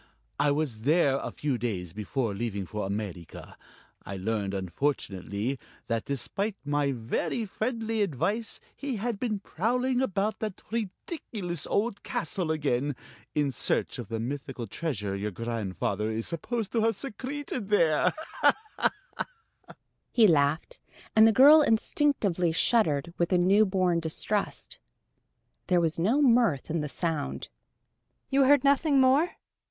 I was there a few days before leaving for America. I learned, unfortunately, that despite my very friendly advice, he had been prowling about that ridiculous old castle again, in search of the mythical treasure your grandfather is supposed to have secreted there." He laughed, and the girl instinctively shuddered with a newborn distrust. There was no mirth in the sound. "You heard nothing more?